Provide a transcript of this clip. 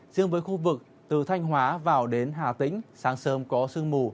riêng với khu vực từ thanh hóa vào đến hà tĩnh sáng sớm có sương mù